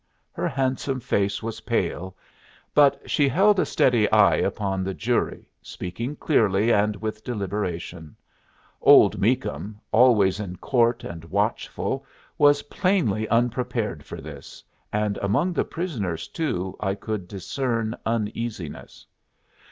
Her handsome face was pale, but she held a steady eye upon the jury, speaking clearly and with deliberation. Old Meakum, always in court and watchful, was plainly unprepared for this, and among the prisoners, too, I could discern uneasiness.